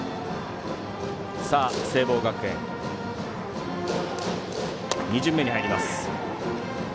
聖望学園、２巡目に入ります。